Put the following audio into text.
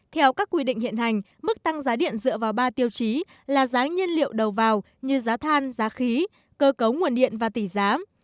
theo các quy định hiện hành mức tăng giá điện dựa vào ba tiêu chí là giá nhiên liệu đầu vào như giá than giá khí cơ cấu nguồn điện và tỷ giá